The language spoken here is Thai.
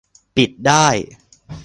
ปิดได้